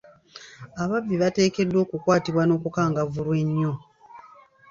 Ababbi bateekeddwa okukwatibwa n'okukangavvulwa ennyo.